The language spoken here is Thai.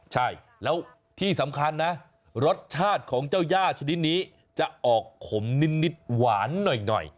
ใช่แล้วที่สำคัญนะรสชาติของเจ้าย่าชนิดนี้จะออกขมนิดหวานหน่อย